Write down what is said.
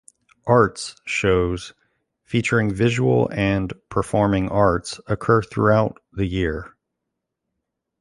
Arts shows featuring visual and performing arts occur throughout the year.